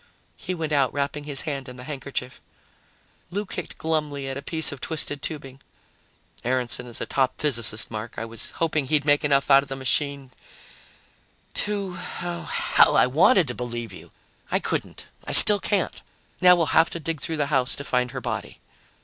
He went out, wrapping his hand in the handkerchief. Lou kicked glumly at a piece of twisted tubing. "Aaronson is a top physicist, Mark. I was hoping he'd make enough out of the machine to ah, hell, I wanted to believe you! I couldn't. I still can't. Now we'll have to dig through the house to find her body."